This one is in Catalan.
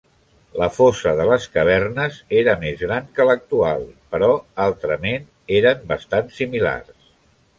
La fossa de les cavernes era més gran que l'actual, però altrament eren bastant similars.